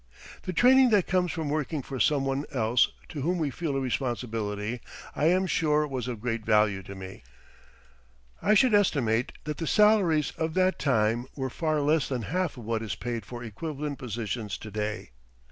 The training that comes from working for some one else, to whom we feel a responsibility, I am sure was of great value to me. I should estimate that the salaries of that time were far less than half of what is paid for equivalent positions to day.